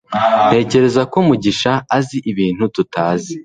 Ntekereza ko mugisha azi ibintu tutazi.